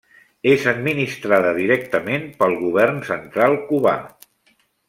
És administrada directament pel govern central cubà.